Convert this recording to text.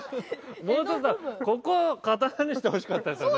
もうちょっとここを刀にしてほしかったですよね。